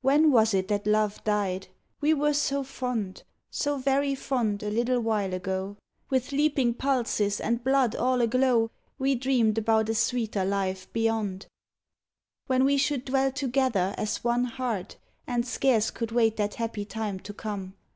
When was it that love died? We were so fond, So very fond, a little while ago. With leaping pulses, and blood all aglow, We dreamed about a sweeter life beyond, When we should dwell together as one heart, And scarce could wait that happy time to come.